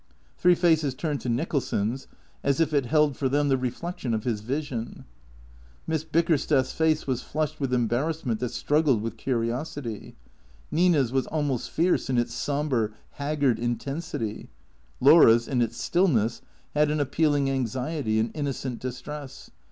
Three faces turned to Nicholson's, as if it held for them the reflection of his vision. Miss Bickersteth's face was flushed with embarrassment that struggled with curiosity; Nina's was almost fierce in its sombre, haggard intensity; Laura's, in its stillness, had an appealing anxiety, an innocent distress.